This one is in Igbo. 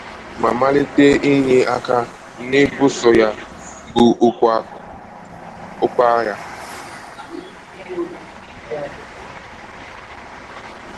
ma màlite inye aka n'ibusò ya bụ ọkụ agha